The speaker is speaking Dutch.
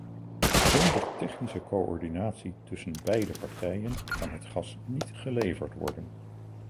Zonder technische coördinatie tussen beide partijen kan het gas niet geleverd worden.